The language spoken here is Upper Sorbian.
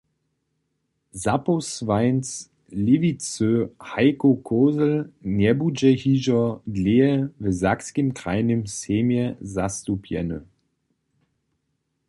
Zapósłanc Lěwicy Hajko Kozel njebudźe hižo dlěje w Sakskim krajnym sejmje zastupjeny.